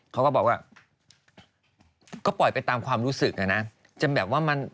เขาก็บอกว่าก็ปล่อยไปตามความรู้สึกนะนะ